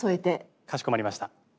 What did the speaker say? かしこまりました。